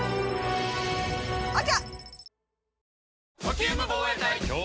赤！